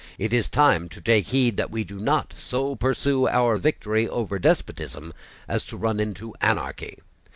It is time to take heed that we do not so pursue our victory over despotism as to run into anarchy.